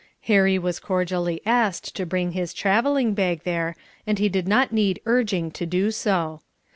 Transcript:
Harry was cordially asked to bring his traveling bag there, and he did not need urging to do so.